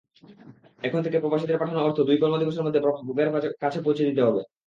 এখন থেকে প্রবাসীদের পাঠানো অর্থ দুই কর্মদিবসের মধ্যে প্রাপকদের কাছে পৌঁছে দিতে হবে।